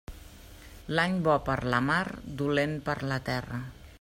L'any bo per la mar, dolent per la terra.